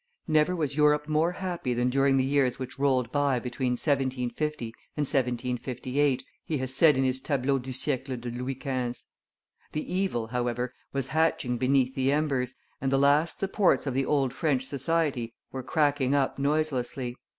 "Never was Europe more happy than during the years which rolled by between 1750 and 1758," he has said in his Tableau du Siecle de Louis XV. The evil, however, was hatching beneath the embers, and the last supports of the old French society were cracking up noiselessly.